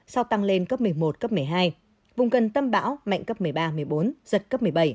sau tăng lên cấp một mươi một cấp một mươi hai vùng gần tâm bão mạnh cấp một mươi ba một mươi bốn giật cấp một mươi bảy